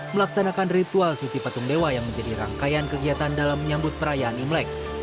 melaksanakan ritual cuci patung dewa yang menjadi rangkaian kegiatan dalam menyambut perayaan imlek